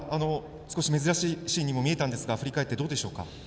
少し珍しいシーンにも見えたんですが振り返ってどうでしょうか。